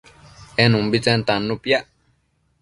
en umbitsen tannu piac